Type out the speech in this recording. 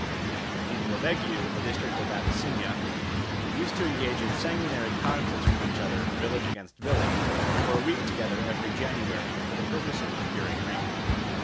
The people of Egghiou, a district of Abyssinia, used to engage in sanguinary conflicts with each other, village against village, for a week together every January for the purpose of procuring rain.